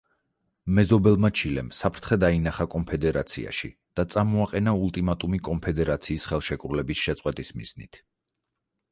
მეზობელმა ჩილემ საფრთხე დაინახა კონფედერაციაში და წამოაყენა ულტიმატუმი კონფედერაციის ხელშეკრულების შეწყვეტის მიზნით.